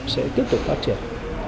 sẽ tiếp tục phát triển